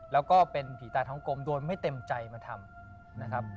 แล้วก็เป็นผีตาท้องกลมโดยไม่เต็มใจมาทำนะครับ